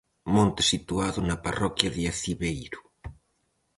Monte situado na parroquia de Aciveiro.